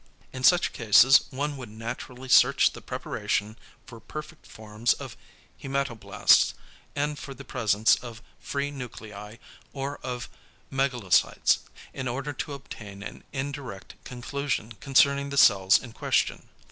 In such cases one would naturally search the preparation for perfect forms of hæmatoblasts, and for the presence of free nuclei or of megalocytes, in order to obtain an indirect conclusion concerning the cells in question.